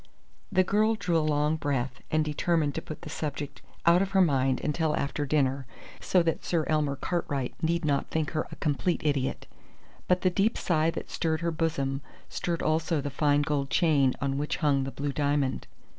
The girl drew a long breath, and determined to put the subject out of her mind until after dinner, so that Sir Elmer Cartwright need not think her a complete idiot. But the deep sigh that stirred her bosom stirred also the fine gold chain on which hung the blue diamond.